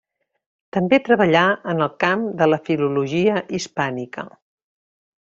També treballà en el camp de la filologia hispànica.